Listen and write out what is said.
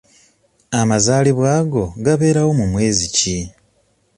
Amazaalibwa go gabeerawo mu mwezi ki?